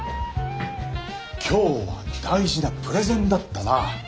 今日は大事なプレゼンだったな。